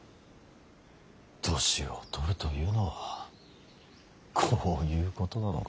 年を取るというのはこういうことなのか。